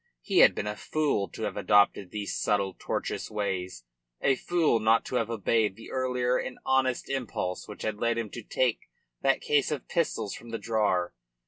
He had been a fool to have adopted these subtle, tortuous ways; a fool not to have obeyed the earlier and honest impulse which had led him to take that case of pistols from the drawer.